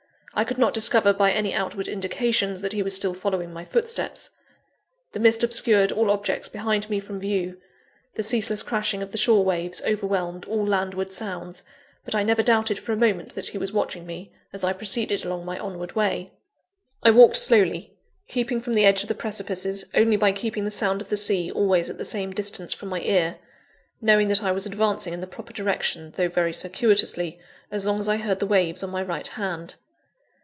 I could not discover by any outward indications, that he was still following my footsteps. The mist obscured all objects behind me from view; the ceaseless crashing of the shore waves overwhelmed all landward sounds, but I never doubted for a moment that he was watching me, as I proceeded along my onward way. I walked slowly, keeping from the edge of the precipices only by keeping the sound of the sea always at the same distance from my ear; knowing that I was advancing in the proper direction, though very circuitously, as long as I heard the waves on my right hand.